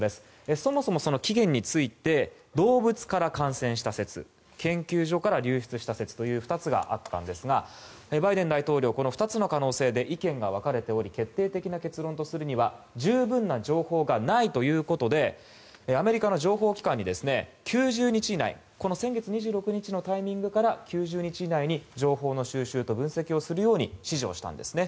そもそも、起源について動物から感染した説研究所から流出した説の２つがあったんですがバイデン大統領はこの２つの可能性で意見が分かれており決定的な結論とするには十分な情報がないということでアメリカの情報機関に９０日以内この先月２６日のタイミングから９０日以内に情報の収集と分析をするよう指示したんですね。